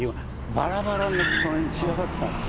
バラバラになってその辺に散らばってたんですよ。